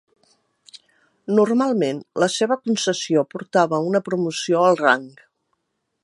Normalment, la seva concessió portava una promoció al rang.